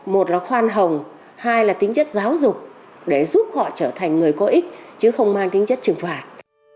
một là khoan hồng hai là tính chất giáo dục để giúp họ trở thành người có ích chứ không mang tính chất trừng phạt